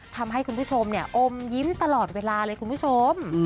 ทำให้คุณผู้ชมอมยิ้มตลอดเวลาเลยคุณผู้ชม